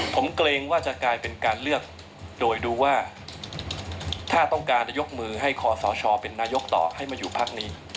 ผมเกรงว่าจะกลายเป็นการเลือกโดยดูว่าถ้าต้องการจะยกมือให้คอสชเป็นนายกต่อให้มาอยู่พักนี้